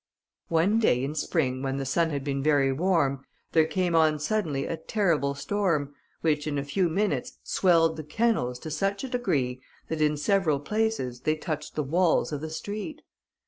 One day, in spring, when the sun had been very warm, there came on suddenly a terrible storm, which, in a few minutes, swelled the kennels to such a degree, that in several places they touched the walls of the street.